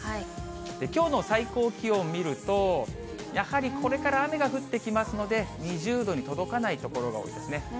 きょうの最高気温見ると、やはりこれから雨が降ってきますので、２０度に届かない所が多いですね。